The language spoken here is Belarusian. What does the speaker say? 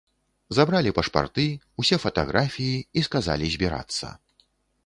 Забралі пашпарты, усе фатаграфіі і сказалі збірацца.